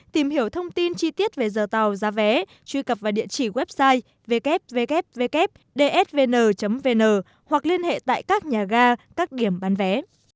tìm hiểu thông tin chi tiết về giờ tàu giá vé truy cập vào địa chỉ website ww dsvn vn hoặc liên hệ tại các nhà ga các điểm bán vé